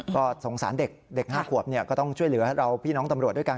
ก็สงสารเด็กเด็ก๕ขวบก็ต้องช่วยเหลือเราพี่น้องตำรวจด้วยกัน